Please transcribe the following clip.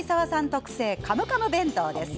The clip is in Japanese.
特製カムカム弁当。